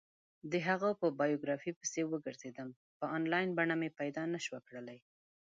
د هغه په بایوګرافي پسې وگرځېدم، په انلاین بڼه مې پیدا نه شوه کړلی.